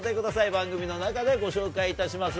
番組の中でご紹介いたします。